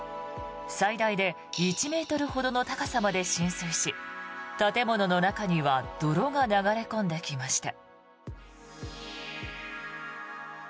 最大で１ｍほどの高さまで浸水し建物の中には泥が流れ込んできました。